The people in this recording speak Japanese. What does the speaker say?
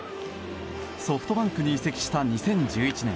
ソフトバンクに移籍した２０１１年。